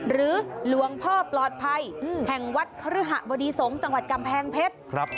หรือหลวงพ่อปลอดภัยแห่งวัดคฤหะบดีสงฆ์จังหวัดกำแพงเพชร